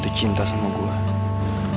terus saya bisa menangkap mereka